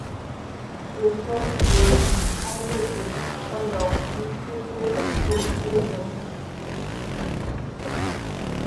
Eshúm sie á zɛ́te tá ńdɔg ńkẅéte shúm lézém.